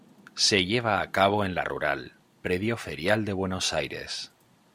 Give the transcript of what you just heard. Se lleva a cabo en La Rural, Predio Ferial de Buenos Aires.